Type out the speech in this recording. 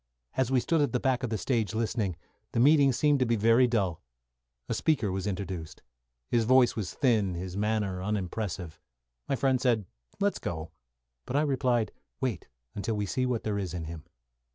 As we stood at the back of the stage listening, the meeting seemed to be very dull. A speaker was introduced. His voice was thin, his manner unimpressive. My friend said, "Let's go," but I replied, "Wait until we see what there is in him."